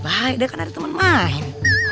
bahaya deh kan ada temen main